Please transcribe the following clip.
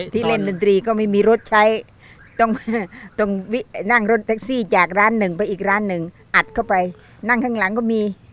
ที่เล่นดนตรีก็ไม่มีรถใช้ต้องนั่งรถแท็กซี่จากร้านหนึ่งไปอีกร้านหนึ่งอัดเข้าไปนั่งข้างหลังก็มี